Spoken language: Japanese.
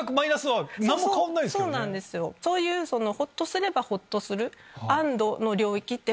そういうほっとすればほっとする。